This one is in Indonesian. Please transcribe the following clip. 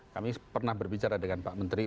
kami pernah berbicara dengan pak menteri